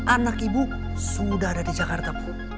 anak ibu sudah ada di jakarta bu